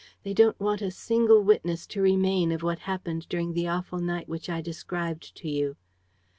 They don't want a single witness to remain of what happened during the awful night which I described to you.